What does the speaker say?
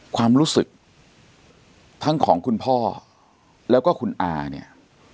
ความรู้สึกทั้งของคุณพ่อแล้วก็คุณอาเนี่ย